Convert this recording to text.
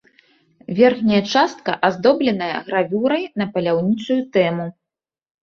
Верхняя частка аздобленая гравюрай на паляўнічую тэму.